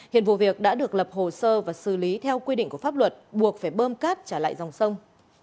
hiện vụ việc đã được lập hồ sơ và xử lý theo quy định của pháp luật buộc phải bơm cát trả lại dòng sông